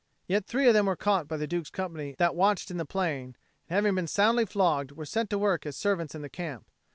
Yet three of them were caught by the Duke's company that watched in the plain, and, having been soundly flogged, were set to work as servants in the camp.